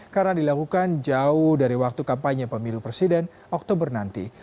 karena dilakukan jauh dari waktu kampanye pemilu presiden oktober nanti